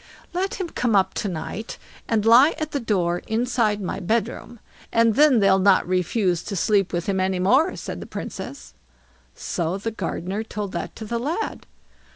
"Let him come up to night, and lie at the door inside my bedroom, and then they'll not refuse to sleep with him any more", said the Princess. So the gardener told that to the lad.